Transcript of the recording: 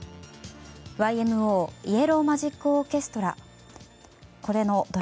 ＹＭＯ、イエロー・マジック・オーケストラ。